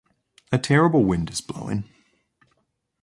A terrible wind is blowing.